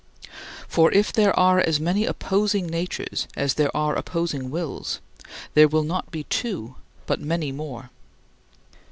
23. For if there are as many opposing natures as there are opposing wills, there will not be two but many more.